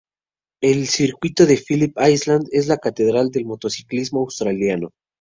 El Circuito de Phillip Island es la catedral del motociclismo australiano.